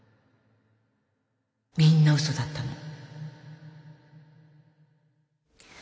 みんな嘘だったの。